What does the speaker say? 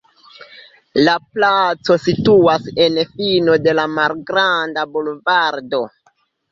La placo situas en fino de la malgranda bulvardo.